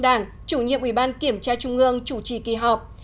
đảng chủ nhiệm ủy ban kiểm tra trung ương chủ trì kỳ họp